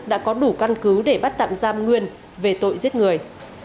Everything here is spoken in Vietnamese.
đã có đủ căn cứ để bắt tạm giam nguyên về tội giết người